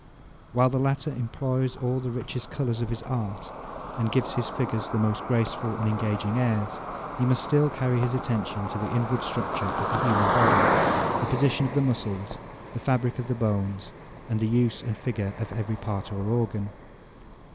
While the latter employs all the richest colours of his art, and gives his figures the most graceful and engaging airs; he must still carry his attention to the inward structure of the human body, the position of the muscles, the fabric of the bones, and the use and figure of every part or organ.